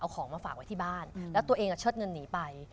เอาของมาฝากไว้ที่บ้านแล้วตัวเองเชิดเงินหนีไป